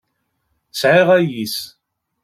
Sɛiɣ ayis.